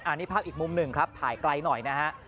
อันนี้ภาพอีกมุมหนึ่งครับถ่ายไกลหน่อยนะฮะ